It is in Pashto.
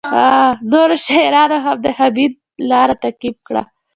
نورو شاعرانو هم د حمید لاره تعقیب کړه